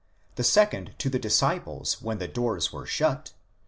the second to the disciples when the doors were shut (xx.